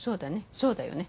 そうだよね